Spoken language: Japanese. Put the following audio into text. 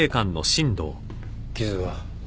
傷は？